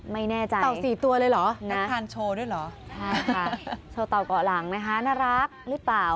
ไม่แน่ใจนะครับโชว์เต่าก่อหลังนะคะน่ารักหรือเปล่า